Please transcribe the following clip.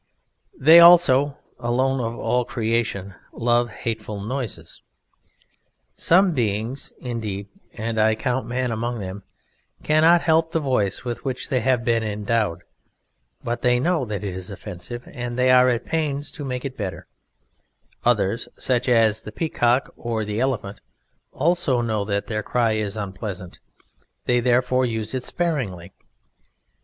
They also, alone of all creation, love hateful noises. Some beings indeed (and I count Man among them) cannot help the voice with which they have been endowed, but they know that it is offensive, and are at pains to make it better; others (such as the peacock or the elephant) also know that their cry is unpleasant. They therefore use it sparingly.